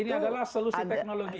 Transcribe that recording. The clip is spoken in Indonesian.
ini adalah solusi teknologi